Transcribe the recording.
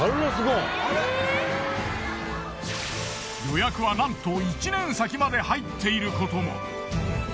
予約はなんと１年先まで入っていることも。